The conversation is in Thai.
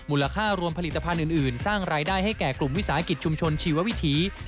ค่ารวมผลิตภัณฑ์อื่นสร้างรายได้ให้แก่กลุ่มวิสาหกิจชุมชนชีววิถี